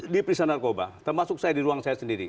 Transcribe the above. di periksa narkoba termasuk saya di ruang saya sendiri